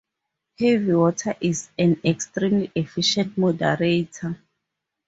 Heavy Water is an extremely efficient moderator.